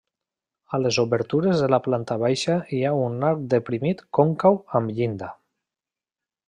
A les obertures de la planta baixa hi ha un arc deprimit còncau amb llinda.